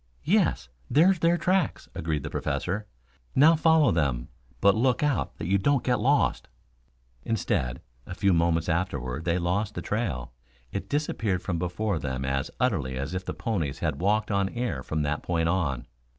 "Yes, there's their tracks," agreed the Professor. "Now follow them, but look out that you do not get lost." Instead, a few moments afterward, they lost the trail. It disappeared from before them as utterly as if the ponies had walked on air from that point on.